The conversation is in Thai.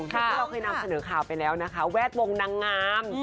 อย่างที่เราเคยนำเสนอข่าวไปแล้วนะคะแวดวงนางงาม